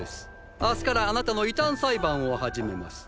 明日からあなたの異端裁判を始めます。